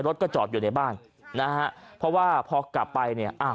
รถก็จอดอยู่ในบ้านนะฮะเพราะว่าพอกลับไปเนี่ยอ้าว